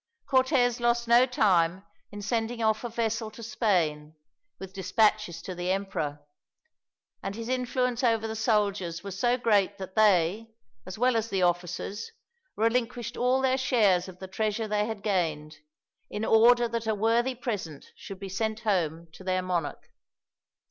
Cortez lost no time in sending off a vessel to Spain, with dispatches to the emperor; and his influence over the soldiers was so great that they, as well as the officers, relinquished all their shares of the treasure they had gained, in order that a worthy present should be sent home to their monarch.